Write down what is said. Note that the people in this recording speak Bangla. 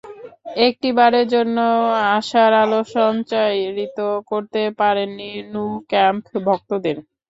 একটি বারের জন্যও আশার আলো সঞ্চারিত করতে পারেননি ন্যু ক্যাম্প ভক্তদের।